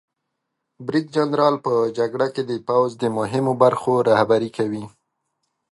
برید جنرال په جګړه کې د پوځ د مهمو برخو رهبري کوي.